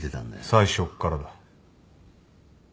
最初からだ。